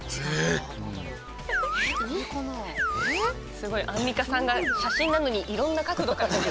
すごいアンミカさんが写真なのにいろんな角度から見てる。